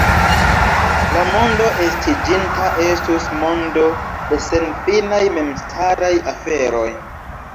La mondo estiĝinta estus mondo de senfinaj memstaraj aferoj.